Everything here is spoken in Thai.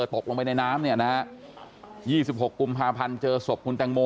ตกลงไปในน้ำนี้นะฮะยี่สิบหกกุมภาพันธ์เจอศพคุณแตงโม